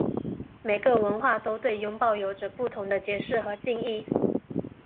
每个文化都对拥抱有着不同的解释和定义。